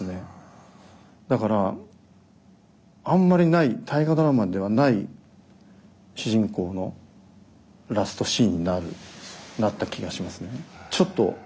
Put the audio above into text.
だからあんまりない「大河ドラマ」ではない主人公のラストシーンになるなった気がしますね。